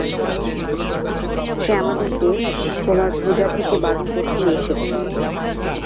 সে আমাদেরকে তোমার পূজা থেকে বারণ করতেই এসেছে।